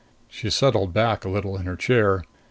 She settled back a little in her chair.